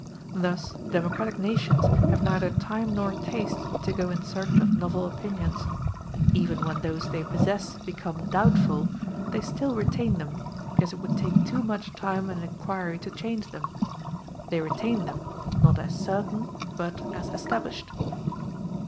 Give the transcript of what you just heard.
Thus democratic nations have neither time nor taste to go in search of novel opinions. Even when those they possess become doubtful, they still retain them, because it would take too much time and inquiry to change them they retain them, not as certain, but as established.